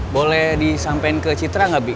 boleh disampaikan ke citra enggak bi